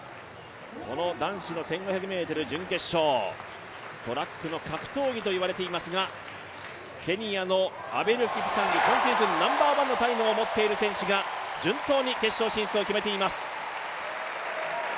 男子の１５００ｍ準決勝、トラックの格闘技と言われていますがケニアのアベル・キプサング、今シーズンナンバーワンを持っている選手が順当に決勝進出を決めています。